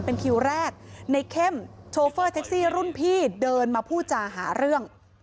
เป็นคิวแรกในเข้มโชเฟอร์แท็กซี่รุ่นพี่เดินมาพูดจาหาเรื่อง